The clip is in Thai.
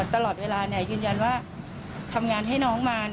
ตลอดเวลายืนยันว่าทำงานให้น้องมา